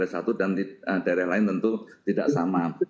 daerah satu dan daerah lain tentu tidak sama